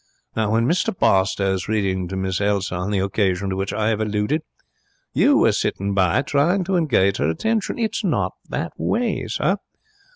Now, when Mr Barstowe was reading to Miss Elsa on the occasion to which I 'ave alluded, you were sitting by, trying to engage her attention. It's not the way, sir.